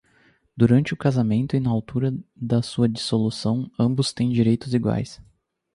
Durante o casamento e na altura da sua dissolução, ambos têm direitos iguais.